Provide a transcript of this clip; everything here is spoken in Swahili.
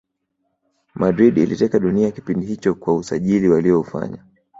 Madrid iliteka dunia kipindi hicho kwa usajiri waliyoufanya